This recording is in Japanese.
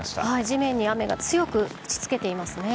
地面に雨が強く打ちつけていますね。